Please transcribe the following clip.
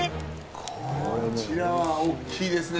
こちらは大きいですね。